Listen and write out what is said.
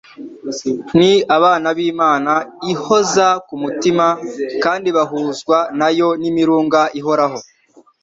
Ni abana b'Imana, ihoza ku mutima, kandi bahuzwa nayo n'imirunga ihoraho.